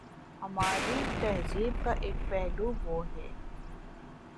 ہماری تہذیب کا ایک پہلو وہ ہے۔